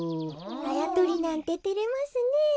あやとりなんててれますねえ。